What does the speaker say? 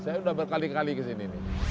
saya sudah berkali kali ke sini